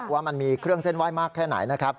ว่ามันมีเครื่องเส้นไหว้มากแค่ไหนนะครับ